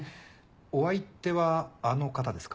お相手はあの方ですか？